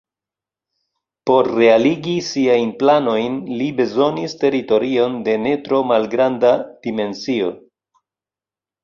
Por realigi siajn planojn li bezonis teritorion de ne tro malgranda dimensio.